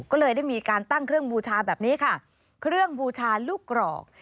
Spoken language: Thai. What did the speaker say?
ก็เลยได้มีการตั้งเครื่องบูชาแบบนี้ค่ะเครื่องบูชาลูกกรอก